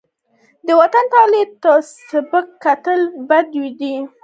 د وطن تولید ته سپک کتل بد دي.